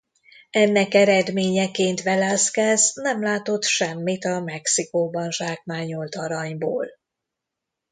Ennek eredményeként Velázquez nem látott semmit a Mexikóban zsákmányolt aranyból.